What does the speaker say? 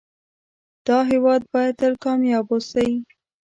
دا هيواد بايد تل کامیاب اوسی